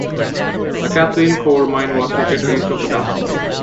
The Kathleen Coal Mine was located east of the town.